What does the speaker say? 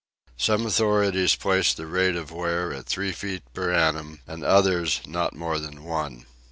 Some authorities place the rate of wear at three feet per annum and others not more than one.